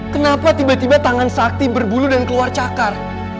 kenapa tiba tiba tangan sakti berbulu dan keluar cakar